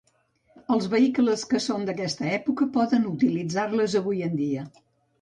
Els vehicles que són d'aquesta època poden utilitzar-les avui en dia.